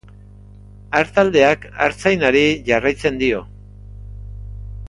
Artaldeak artzainari jarraitzen dio.